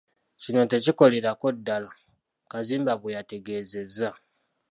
"Kino tekikolerako ddala,” Kazimba bwe yategeezezza.